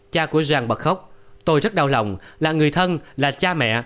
cha của giàng bật khóc tôi rất đau lòng là người thân là cha mẹ